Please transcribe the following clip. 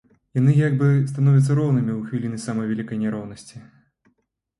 Яны як бы становяцца роўнымі ў хвіліны самай вялікай няроўнасці.